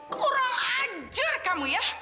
kurang ajar kamu ya